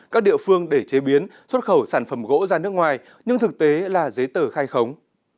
các địa phương để chế biến xuất khẩu sản phẩm gỗ ra nước ngoài nhưng thực tế là giấy tờ khai khống